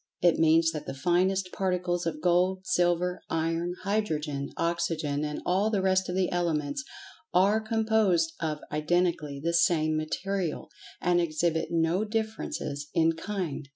It means that the finest particles of Gold, Silver, Iron, Hydrogen, Oxygen, and all the rest of the Elements, are composed of identically the same material, and exhibit no differences in "kind."